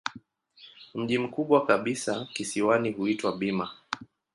Mji mkubwa kabisa kisiwani huitwa Bima.